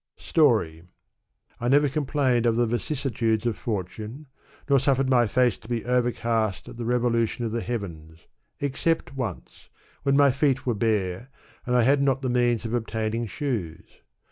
Story. I never complained of the vicissitudes of fortune, nor suflfered my face to be overcast at the revolution of the heavens, except once, when my feet were bare, and I had not the means of obtaining shoes.